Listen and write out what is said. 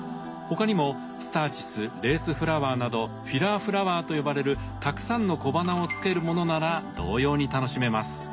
他にもスターチスレースフラワーなどフィラーフラワーと呼ばれるたくさんの小花をつけるものなら同様に楽しめます。